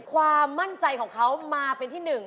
ความมั่นใจมาเป็นที่หนึ่ง